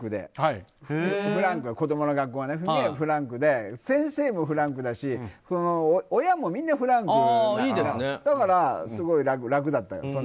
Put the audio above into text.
子供の学校はすごいフランクで先生もフランクだし親もみんなフランクだからすごい楽だったよ。